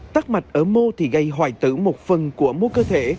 tắc mạch ở mô thì gây hoại tử một phần của mô cơ thể